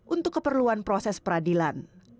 untuk keperluan proses peradilan